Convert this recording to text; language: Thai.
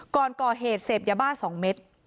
ก่อนก่อเหตุเสพยาบ้า๒เม็ด